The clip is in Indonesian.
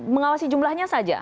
mengawasi jumlahnya saja